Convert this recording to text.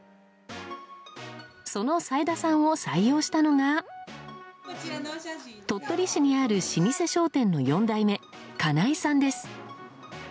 その斉田さんを採用したのが鳥取市にある老舗商店の４代目金居さんです。